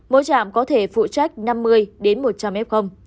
mỗi trạm có thể phụ trách năm mươi đến một trăm linh f